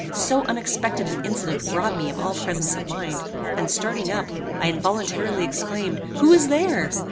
So unexpected an incident robbed me of all presence of mind, and, starting up, I involuntarily exclaimed, "Who is there?"